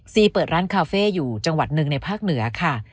เปิดร้านคาเฟ่อยู่จังหวัดหนึ่งในภาคเหนือค่ะ